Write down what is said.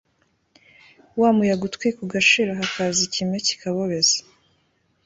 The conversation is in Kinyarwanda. wa muyaga utwika ugashira, hakaza ikime kikabobeza